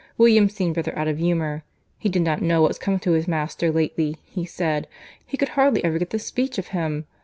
—William seemed rather out of humour. He did not know what was come to his master lately, he said, but he could hardly ever get the speech of him.